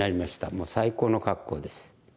もう最高の格好です。